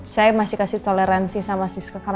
saya masih kasih toleransi sama sis kekeramianan